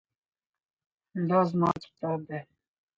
دا زما کتاب دی